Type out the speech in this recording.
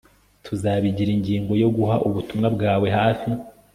Tuzabigira ingingo yo guha ubutumwa bwawe hafi